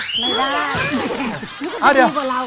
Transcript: ไม่ได้